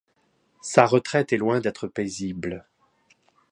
Sa retraite est loin d'être paisible.